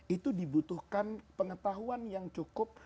itu dibutuhkan pengetahuan yang cukup